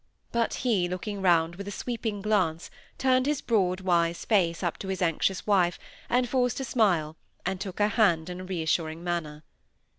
But he, looking round with a sweeping glance, turned his broad, wise face up to his anxious wife, and forced a smile, and took her hand in a reassuring manner.